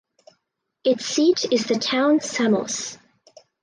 Its seat is the town Samos.